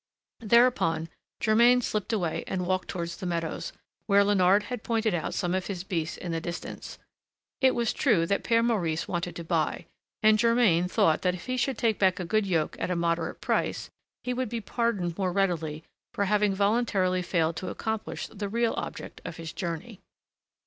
Thereupon, Germain slipped away and walked toward the meadows, where Léonard had pointed out some of his beasts in the distance. It was true that Père Maurice wanted to buy, and Germain thought that if he should take back a good yoke at a moderate price, he would be pardoned more readily for having voluntarily failed to accomplish the real object of his journey.